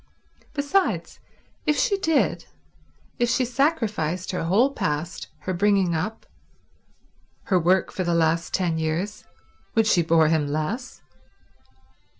Besides, if she did, if she sacrificed her whole past, her bringing up, her work for the last ten years, would she bore him less?